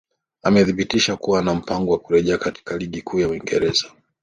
amethibitisha kuwa ana mpango wa kurejea katika ligi kuu ya nchini uingereza